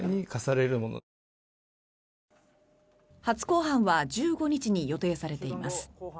初公判は１５日に予定されています。